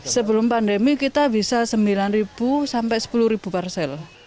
sebelum pandemi kita bisa sembilan sampai sepuluh parsel